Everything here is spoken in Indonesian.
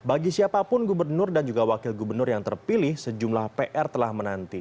bagi siapapun gubernur dan juga wakil gubernur yang terpilih sejumlah pr telah menanti